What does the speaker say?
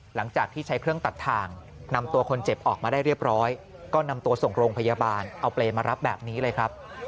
หลังจากที่ใช้เครื่องตัดทางนำตัวคนเจ็บออกมาได้เรียบร้อยก็นำตัวส่งโรงพยาบาลเอาเปรย์มารับแบบนี้เลยครับ